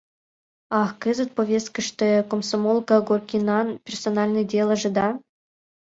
Ах, кызыт повесткыште комсомолка Горкинан персональный делаже, да?